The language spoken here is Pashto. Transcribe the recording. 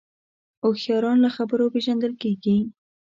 هوښیاران له خبرو پېژندل کېږي